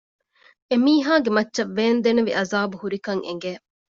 އެމީހާގެ މައްޗަށް ވޭންދެނިވި ޢަޛާބު ހުރިކަން އެނގެ